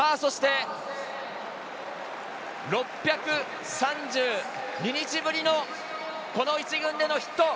そして６３２日ぶりのこの１軍でのヒット。